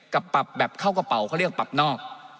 ปรับแบบเข้ากระเป๋าเขาเรียกปรับนอก